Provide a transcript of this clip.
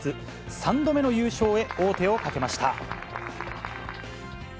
３度目の優勝へ、王手をかけました。